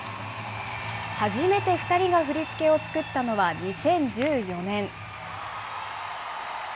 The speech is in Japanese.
初めて２人が振り付けを作ったのは２０１４年。